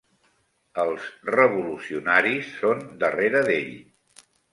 Els revolucionaris són darrere d'ell.